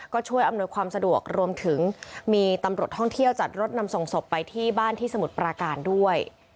ก็ช่วยอำนวยความสะดวกรวมถึงมีตำรวจท่องเที่ยวจัดรถนำส่งศพไปที่บ้านที่สมุทรปราการด้วย